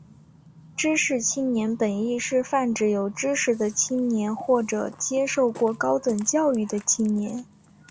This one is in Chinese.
知识青年本义是泛指有知识的青年或者接受过高等教育的青年。